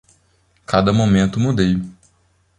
Cada momento mudei.